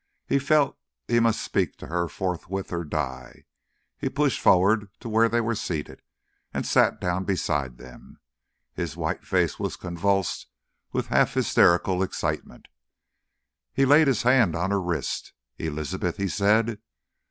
He felt he must speak to her forthwith, or die. He pushed forward to where they were seated, and sat down beside them. His white face was convulsed with half hysterical excitement. He laid his hand on her wrist. "Elizabeth?" he said.